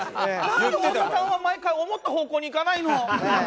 なんで太田さんは毎回思った方向にいかないの。